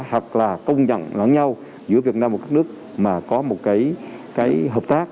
hoặc là công nhận lẫn nhau giữa việt nam và các nước mà có một cái hợp tác